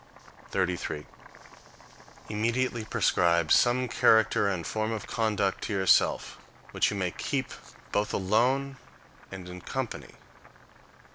33. Immediately prescribe some character and form of conduce to yourself, which you may keep both alone and in company.